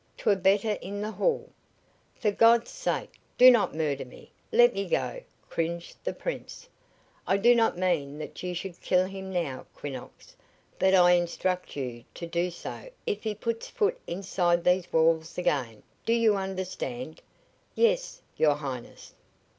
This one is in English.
'Twere better in the hall!" "For God's sake, do not murder me! Let me go!" cringed the Prince. "I do not mean that you should kill him now, Quinnox, but I instruct you to do so if he puts foot inside these walls again. Do you understand?" "Yes, your Highness."